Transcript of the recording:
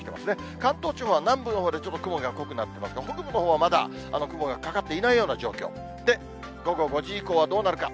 関東地方は南部のほうでちょっと雲が濃くなってますが、北部のほうはまだ雲がかかっていないような状況、午後５時以降はどうなるか。